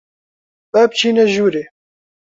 با بچینە ژوورێ.